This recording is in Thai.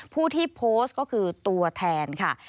ผู้ที่โพสต์ก็คือตัวแทนค่ะ